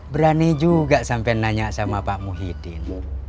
berani juga sampai nanya sama pak muhyiddin